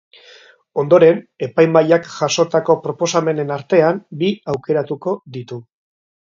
Ondoren, epaimahaiak jasotako proposamenen artean bi aukeratuko ditu.